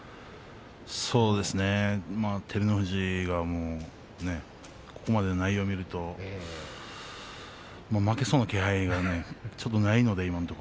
そうですね照ノ富士がここまでの内容を見ると負けそうな気配が、ちょっとないのでね